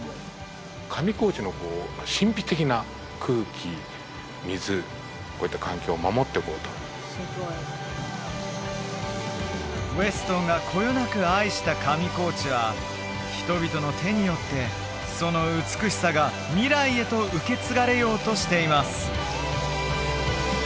上高地のこう神秘的な空気水こういった環境を守っていこうとウェストンがこよなく愛した上高地は人々の手によってその美しさが未来へと受け継がれようとしています